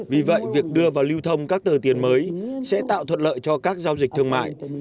vì vậy việc đưa vào lưu thông các tờ tiền mới sẽ tạo thuận lợi cho các giao dịch thương mại